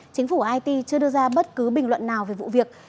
chính phủ haiti chưa đưa ra bất cứ bình luận nào về vụ việc